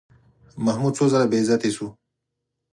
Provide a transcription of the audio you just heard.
محمود څو ځله بېعزتي شو.